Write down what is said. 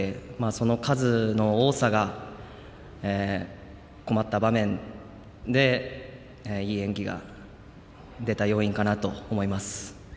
その数の多さが困った場面でいい演技が出た要因かなと思います。